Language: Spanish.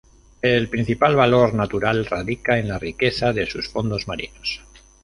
El principal valor natural radica en la riqueza de sus fondos marinos.